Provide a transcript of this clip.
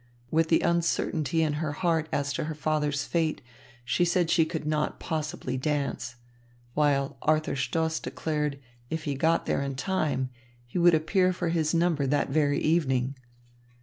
With the uncertainty in her heart as to her father's fate, she said she could not possibly dance; while Arthur Stoss declared if he got there in time, he would appear for his number that very evening.